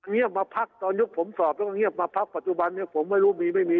เงียบมาพักตอนยุคผมสอบแล้วก็เงียบมาพักปัจจุบันนี้ผมไม่รู้มีไม่มี